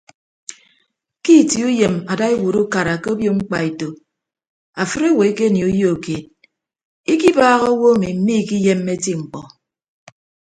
Ke itie uyem ada iwuot ukara ke obio mkpaeto afịt owo ekenie uyo keed ikibaaha owo emi miikiyemme eti mkpọ.